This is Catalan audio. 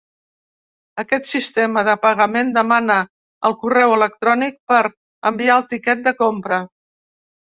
Aquest sistema de pagament demana el correu electrònic per enviar el tiquet de compra.